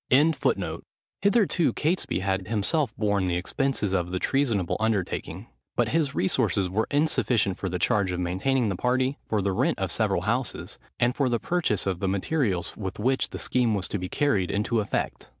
] Hitherto Catesby had himself borne the expenses of the treasonable undertaking; but his resources were insufficient for the charge of maintaining the party, for the rent of several houses, and for the purchase of the materials with which the scheme was to be carried into effect.